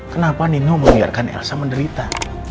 kenapa nino membiarkan elsa menderita